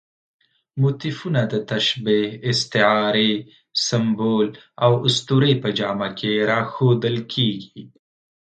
موتیفونه د تشبیه، استعارې، سمبول او اسطورې په جامه کې راښودل کېږي.